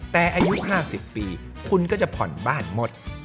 แต่อายุ๕๐ปีคุณก็จะผ่อนบ้านหมด